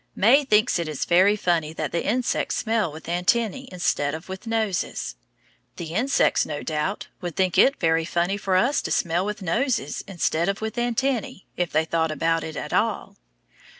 May thinks it is very funny that the insects smell with antennæ instead of with noses. The insects, no doubt, would think it very funny for us to smell with, noses instead of with antennæ, if they thought about it at all.